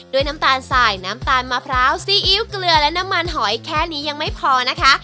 น้ำตาลสายน้ำตาลมะพร้าวซีอิ๊วเกลือและน้ำมันหอยแค่นี้ยังไม่พอนะคะ